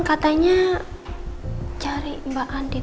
katanya cari mbak andin